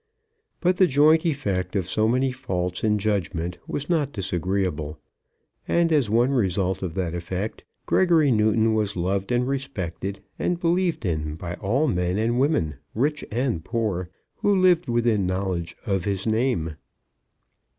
But the joint effect of so many faults in judgment was not disagreeable; and, as one result of that effect, Gregory Newton was loved and respected and believed in by all men and women, poor and rich, who lived within knowledge of his name.